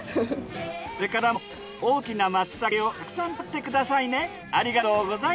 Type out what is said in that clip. これからも大きな松茸をたくさんとってくださいね。